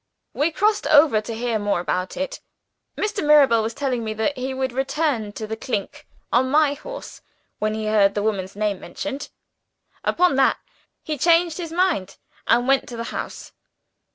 We crossed over to hear more about it. Mr. Mirabel was telling me that he would return to 'The Clink' on my horse when he heard the woman's name mentioned. Upon that, he changed his mind and went to the house."